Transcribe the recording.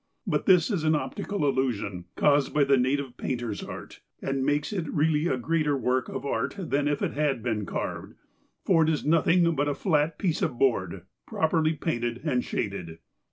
But this is an optical illusion, caused by the native painter's art, and makes it really a greater work of art than if it had been carved, for it is nothing but a flat piece of board, properly painted and shaded.